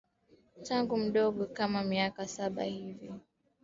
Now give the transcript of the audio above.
tangu mdogo kama miaka saba hivi aliona wanavuta bangi nje ya nyumba yao